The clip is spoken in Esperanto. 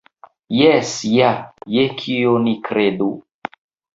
Jes ja, je kio ni kredu?